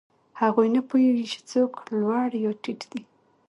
هغوی نه پوهېږي، چې څوک لوړ یا ټیټ دی.